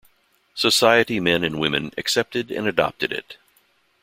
Society men and women accepted and adopted it.